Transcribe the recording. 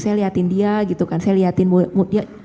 saya lihatin dia gitu kan saya lihatin dia